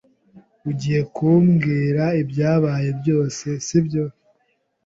Ugiye kumbwira ibyabaye byose, sibyo?